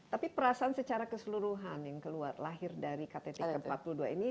tapi perasaan secara keseluruhan yang keluar lahir dari ktt ke empat puluh dua ini